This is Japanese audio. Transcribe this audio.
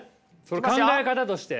それ考え方として？